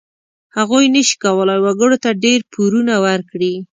هغوی نشي کولای وګړو ته ډېر پورونه ورکړي.